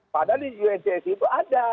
padahal di uncs itu ada